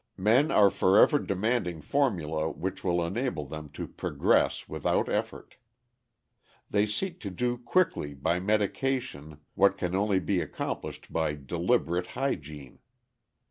Men are forever demanding formulæ which will enable them to progress without effort. They seek to do quickly by medication what can only be accomplished by deliberate hygiene.